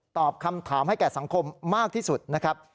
ตอบคำถามให้แก่สังคมมากที่สุดนะครับ